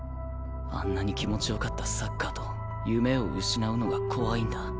あんなに気持ち良かったサッカーと夢を失うのが怖いんだ。